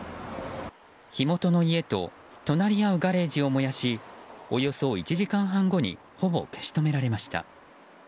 火元の家と隣り合うガレージを燃やしおよそ１時間半後にほぼ消し止められました。